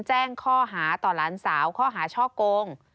แจ้งข้อหาต่อหลานสาวข้อหาช่อโกง